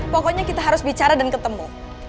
pokoknya kita harus bicara dan ketemu